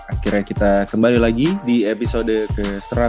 akhirnya kita kembali lagi di episode ke satu ratus tiga puluh lima